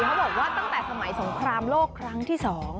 เขาบอกว่าตั้งแต่สมัยสงครามโลกครั้งที่๒